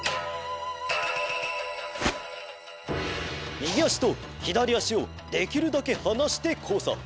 みぎあしとひだりあしをできるだけはなしてこうさ。